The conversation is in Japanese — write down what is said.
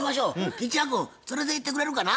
吉弥君連れていってくれるかな？